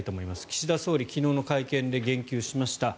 岸田総理昨日の会見で言及しました。